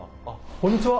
こんにちは！